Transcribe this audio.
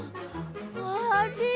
あれ？